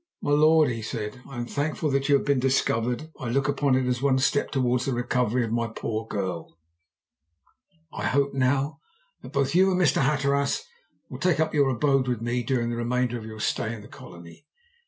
"My lord," he said, "I am thankful that you have been discovered. I look upon it as one step towards the recovery of my poor girl. I hope now that both you and Mr. Hatteras will take up your abode with me during the remainder of your stay in the colony.